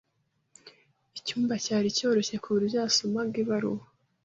Icyumba cyari cyoroshye kuburyo yasomaga ibaruwa.